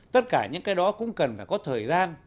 tất cả những cái đó cũng cần phải có thời gian